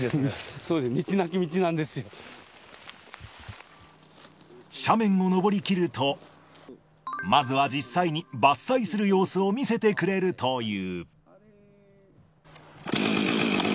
そうなんです、斜面を上りきると、まずは実際に、伐採する様子を見せてくれるという。